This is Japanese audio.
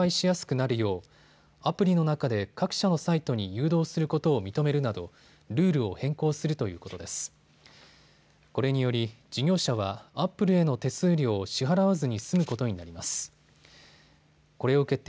これにより事業者はアップルへの手数料を支払わずに済むことになります。